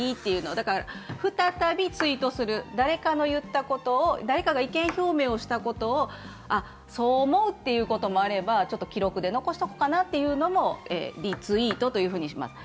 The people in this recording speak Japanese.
だから再びツイートする、誰かが意見表明をしたことをそう思うっていうこともあれば、ちょっと記録で残しておくかなというのもリツイートとします。